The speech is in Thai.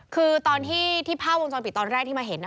คือตอนที่ภาพวงจรปิดตอนแรกที่มาเห็น